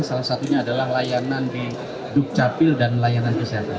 salah satunya adalah layanan di dukcapil dan layanan kesehatan